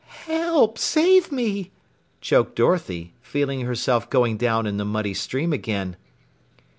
"Help! Save me!" choked Dorothy, feeling herself going down in the muddy stream again.